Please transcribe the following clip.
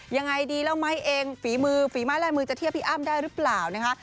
ยังไงดีแล้วไม้เองฝีมือฝีไม้ลายมือจะเทียบพี่อ้ำได้หรือเปล่านะคะ